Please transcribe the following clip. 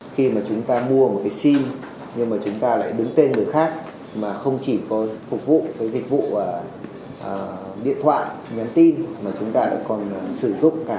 khi mà chúng ta mua một cái sim nhưng mà chúng ta lại đứng tên người khác mà không chỉ có phục vụ cái dịch vụ điện thoại nhắn tin mà chúng ta lại còn sử dụng cả